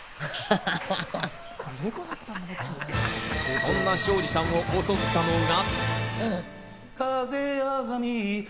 そんな庄司さんを襲ったのが。